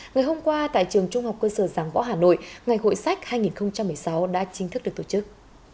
ngày hôm qua tại trường trung học cơ sở giảng võ hà nội ngày hội sách hai nghìn một mươi sáu đã chính thức được tổ chức